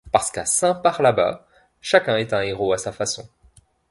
Parce qu’à Saint-Parlabas, chacun est un héros à sa façon.